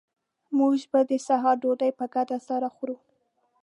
موږ به د سهار ډوډۍ په ګډه سره خورو